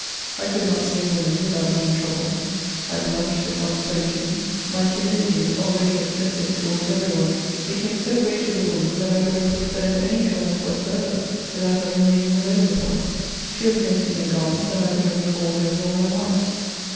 I could not see a woman without being troubled : I blushed if one spoke to me. My timidity, already excessive towards every one, became so great with a woman, that I would have pre ferred any torment whatsoever to that of remaining alone with one. She was no sooner gone, than I would hate recalled her with all my heart.